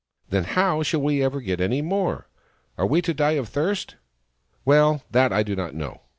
" Then how shall we ever get any more ? Are we to die of thirst ?"" Well, that I do not know.